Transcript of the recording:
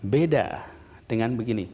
beda dengan begini